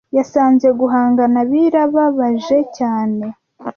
Yasanze guhangana birababaje cyane.